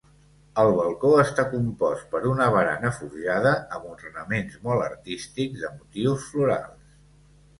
El balcó està compost per una barana forjada amb ornaments molt artístics de motius florals.